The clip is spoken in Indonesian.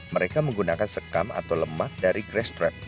mereka menggunakan sekam atau lemak dari grass trap